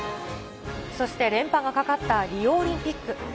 そして連覇がかかったリオオリンピック。